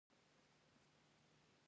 لمریز ځواک د افغانستان د اقتصاد برخه ده.